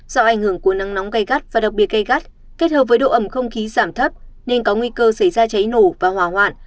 do ảnh hưởng của nắng nóng gây gắt và đặc biệt gây gắt kết hợp với độ ẩm không khí giảm thấp nên có nguy cơ xảy ra cháy nổ và hỏa hoạn